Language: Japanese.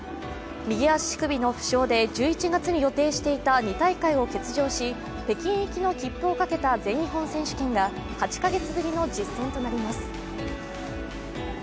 右足首の負傷で１１月に予定していた２大会を欠場し、北京行きの切符をかけた全日本選手権が８カ月ぶりの実戦となります。